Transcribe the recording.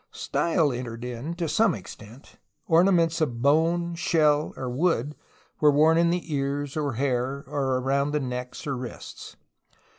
Style entered in to some extent. Orna ments of bone, shell, or wood were worn in the ears or hair or around the neck or wrists.